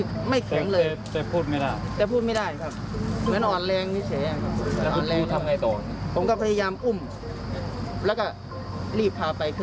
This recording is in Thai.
คิดได้แค่ว่าทำยังไงก็ได้พาน้องขึ้น